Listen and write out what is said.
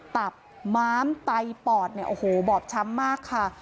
ตับม้ามไตปอดเนี่ยโอ้โหบอบช้ำมากค่ะ